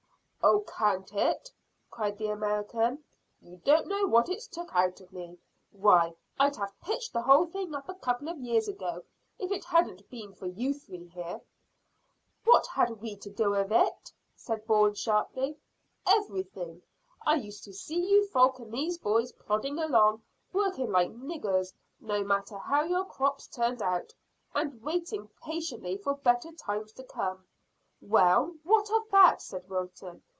"Oh, can't it!" cried the American. "You don't know what it's took out of me. Why, I'd have pitched the whole thing up a couple of years ago if it hadn't been for you three here." "What had we to do with it?" said Bourne sharply. "Everything. I used to see you folk and these boys plodding along, working like niggers, no matter how your crops turned out, and waiting patiently for better times to come." "Well, what of that?" said Wilton.